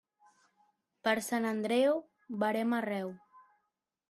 Per Sant Andreu, verema arreu.